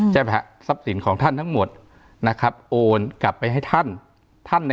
จะแพะทรัพย์สินของท่านทั้งหมดโอนกลับไปให้ท่าน